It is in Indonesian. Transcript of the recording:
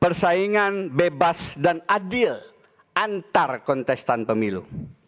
persaingan bebas dan adil antar kontestan pemilu